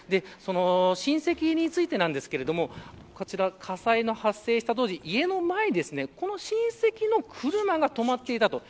親戚についてですがこちら、火災の発生した当時家の前にこの親戚の車が止まっていたと。